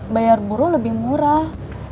bayar burung lebih murah